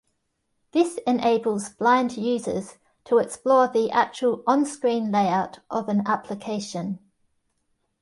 This enables blind users to explore the actual on-screen layout of an application.